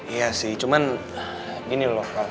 iya sih cuman gini loh